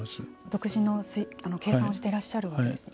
独自の計算をしていらっしゃるわけですね。